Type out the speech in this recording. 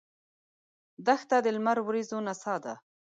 دښته د لمر وریځو نڅا ده.